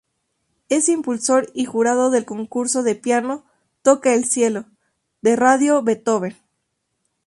Es impulsor y jurado del concurso de piano "Toca el cielo" de Radio Beethoven.